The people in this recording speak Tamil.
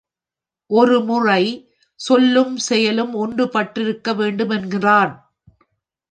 ஒருமுறை சொல்லும் செயலும் ஒன்றுபட்டிருக்க வேண்டும் என்கிறான்.